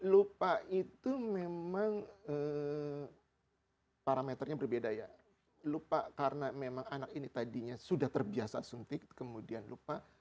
lupa itu memang parameternya berbeda ya lupa karena memang anak ini tadinya sudah terbiasa suntik kemudian lupa